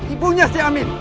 ibunya si amin